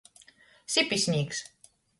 Sipisnīks.